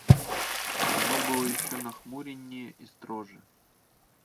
Оно было еще нахмуреннее и строже.